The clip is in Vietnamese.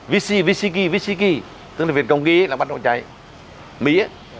vichy vichy kỳ vichy kỳ tức là việt công kỳ là bắt đầu cháy mỹ